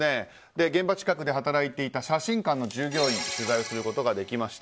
現場近くで働いていた写真館の従業員に取材をすることができました。